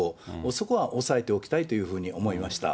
そこは押さえておきたいというふうに思いました。